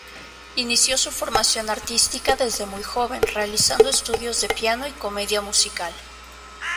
Inició su formación artística desde muy joven, realizando estudios de piano y comedia musical.